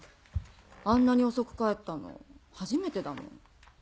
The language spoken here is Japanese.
あんなに遅く帰ったの初めてだもん。